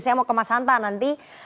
saya mau ke mas hanta nanti